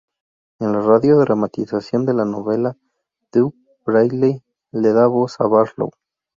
En la radio dramatización de la novela, Doug Bradley le da voz a Barlow.